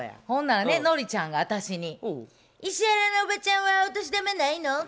ほんならねノリちゃんが私に「石原のおばちゃんはお年玉ないの？」。